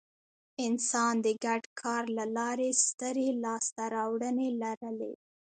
انسان د ګډ کار له لارې سترې لاستهراوړنې لرلې.